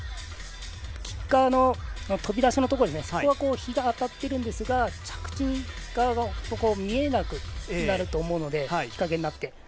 キッカーの飛び出しのところそこは日が当たっているんですが着地側のところが見えなくなると思うので日陰になって。